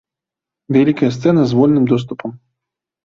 Вялікая сцэна з вольным доступам.